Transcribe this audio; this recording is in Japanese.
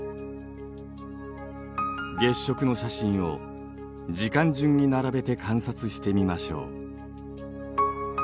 月食の写真を時間順に並べて観察してみましょう。